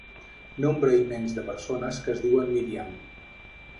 Nombre immens de persones que es diuen Míriam.